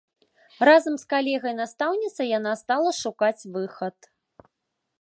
Разам з калегай-настаўніцай яна стала шукаць выхад.